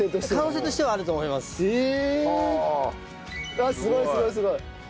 ああすごいすごいすごい。